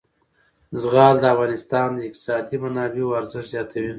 زغال د افغانستان د اقتصادي منابعو ارزښت زیاتوي.